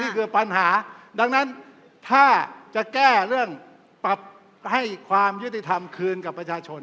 เกิดปัญหาดังนั้นถ้าจะแก้เรื่องปรับให้ความยุติธรรมคืนกับประชาชน